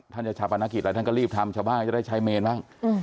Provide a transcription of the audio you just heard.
จะชาปนกิจอะไรท่านก็รีบทำชาวบ้านก็จะได้ใช้เมนบ้าง